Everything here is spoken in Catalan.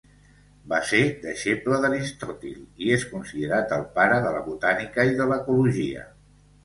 Va ser deixeble d'Aristòtil i és considerat el pare de la botànica i de l'ecologia.